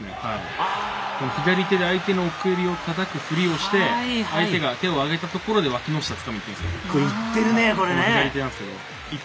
左手で相手の奥襟をたたくふりをして相手が手を上げたところでわきの下をつかみにいってるんです。